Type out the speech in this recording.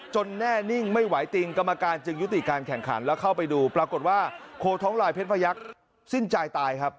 แน่นิ่งไม่ไหวติงกรรมการจึงยุติการแข่งขันแล้วเข้าไปดูปรากฏว่าโคท้องลายเพชรพยักษ์สิ้นใจตายครับ